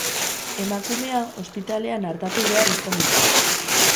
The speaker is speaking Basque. Emakumea ospitalean artatu behar izan dute.